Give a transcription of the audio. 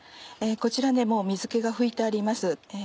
こちらもう水気が拭いてあります。